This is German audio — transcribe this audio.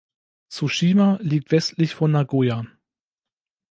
Tsushima liegt westlich von Nagoya.